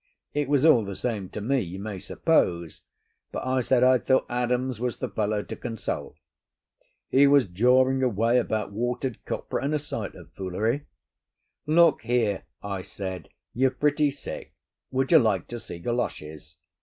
It was all the same to me, you may suppose; but I said I thought Adams was the fellow to consult. He was jawing away about watered copra and a sight of foolery. 'Look here,' I said, 'you're pretty sick. Would you like to see Galoshes?